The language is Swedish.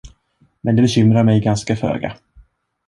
Men det bekymrade mig ganska föga.